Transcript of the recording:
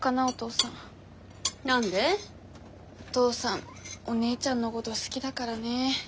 お父さんお姉ちゃんのごど好きだからね。